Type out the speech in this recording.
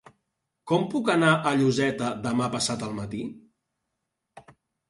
Com puc anar a Lloseta demà passat al matí?